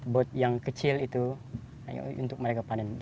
bot yang kecil itu untuk mereka panen